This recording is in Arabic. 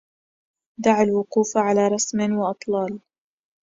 دع الوقوف على رسم وأطلال